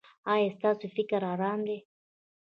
ایا ستاسو فکر ارام دی؟